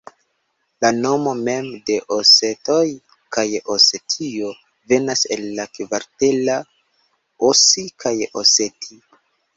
La nomo mem de osetoj kaj Osetio venas el la kartvela osi kaj Oseti.